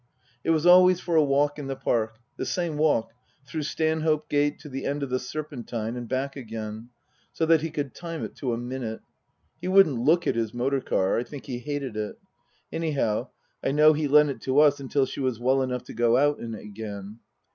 It was always for a walk in the Park the same walk, through Stanhope Gate to the end of the Serpentine and back again, so that he could time it to a minute. He wouldn't look at his motor car. I think he hated it. Anyhow, I know he lent it to us until she was well enough to go out in it again.